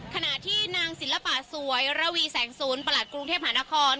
ขณะที่นางศิลปะสวยระวีแสงศูนย์ประหลัดกรุงเทพหานคร